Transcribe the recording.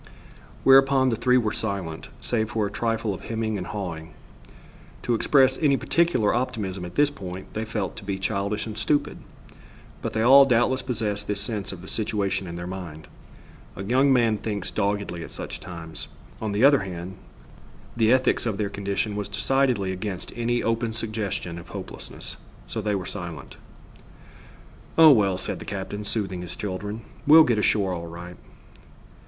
Whereupon the three were silent, save for a trifle of hemming and hawing. To express any particular optimism at this time they felt to be childish and stupid, but they all doubtless possessed this sense of the situation in their mind. A young man thinks doggedly at such times. On the other hand, the ethics of their condition was decidedly against any open suggestion of hopelessness. So they were silent. "Oh, well," said the captain, soothing his children, "We'll get ashore all right."